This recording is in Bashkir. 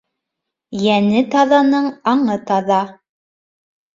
Йәне таҙаның аңы таҙа.